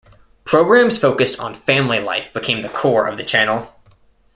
Programs focused on family life became the core of the channel.